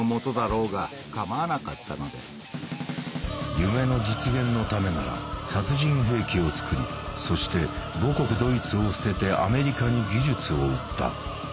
夢の実現のためなら殺人兵器を造りそして母国ドイツを捨ててアメリカに技術を売った。